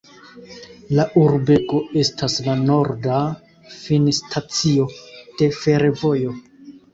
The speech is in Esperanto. La urbego estas la norda finstacio de fervojo.